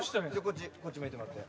こっちこっち向いてもらって・